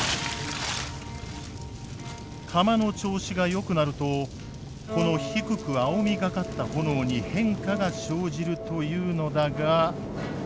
釜の調子がよくなるとこの低く青みがかった炎に変化が生じるというのだが。